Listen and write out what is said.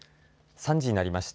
３時になりました。